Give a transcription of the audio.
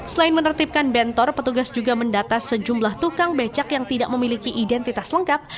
selain menertibkan bentor petugas juga mendata sejumlah tukang becak yang tidak memiliki identitas lengkap